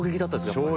やっぱり。